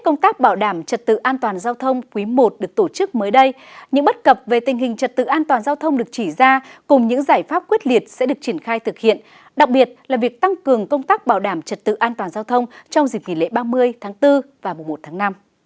công tác bảo đảm trật tự an toàn giao thông quý i được tổ chức mới đây những bất cập về tình hình trật tự an toàn giao thông được chỉ ra cùng những giải pháp quyết liệt sẽ được triển khai thực hiện đặc biệt là việc tăng cường công tác bảo đảm trật tự an toàn giao thông trong dịp nghỉ lễ ba mươi tháng bốn và mùa một tháng năm